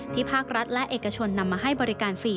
ภาครัฐและเอกชนนำมาให้บริการฟรี